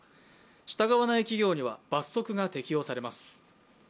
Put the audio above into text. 従わない企業には罰則が適用されます。